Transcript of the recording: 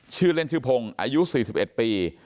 ชื่อเล่นชื่อพงศ์อายุ๔๑ปี